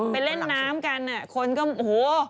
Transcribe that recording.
ไปเล่นน้ำกันคนก็โอ้โห